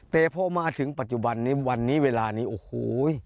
แต่พอมาถึงปัจจุบันนี้วันนี้เวลานี้โอ้โห